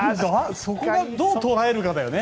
そこをどう捉えるかだよね。